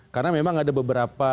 karena memang ada beberapa